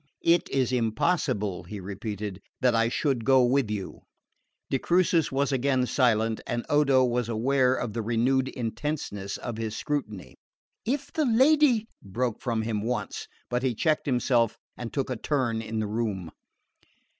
"It is impossible," he repeated, "that I should go with you." De Crucis was again silent, and Odo was aware of the renewed intentness of his scrutiny. "If the lady " broke from him once; but he checked himself and took a turn in the room.